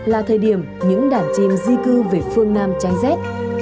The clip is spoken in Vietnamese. là thời điểm những đàn chim di cư về phương nam trái rét